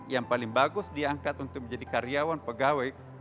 yang paling bagus diangkat untuk menjadi karyawan pegawai